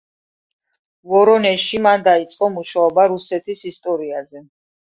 ვორონეჟში მან დაიწყო მუშაობა „რუსეთის ისტორიაზე“.